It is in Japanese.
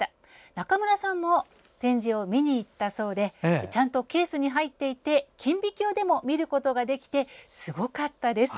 中村さんも展示も見に行ったそうでちゃんとケースに入っていて顕微鏡でも見ることができてすごかったです。